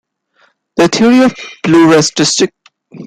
The theory of pluralistic ignorance was studied by Daniel Katz.